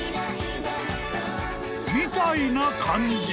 ［みたいな感じ］